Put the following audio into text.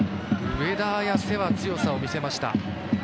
上田綺世は強さを見せました。